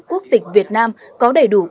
quốc tịch việt nam có đầy đủ